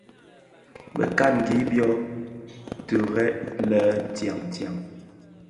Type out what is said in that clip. Bekangi byo tired lè tyaň tyaň.